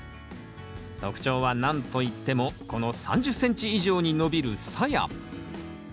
特徴はなんといってもこの３０ｃｍ以上に伸びるさや。